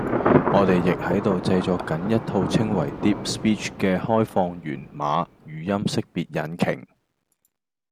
我哋亦喺度製作緊一套稱為 Deep Speech 嘅開放源碼語音識別引擎